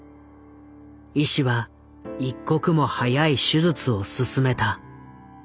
医師は一刻も早い手術を勧めた。